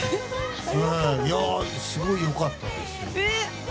すごいよかったですよ。